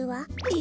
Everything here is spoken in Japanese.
え！